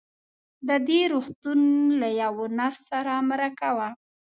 د دې روغتون له يوه نرس سره مرکه وه.